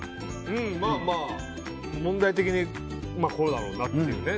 まあ問題的にこうだろうなっていうね。